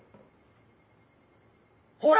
ほら！